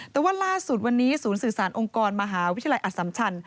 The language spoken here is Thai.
แต่ว่าล่าสุดวันนี้ศูนย์สื่อสารองค์กรมหาวิทยาลัยอสัมชัน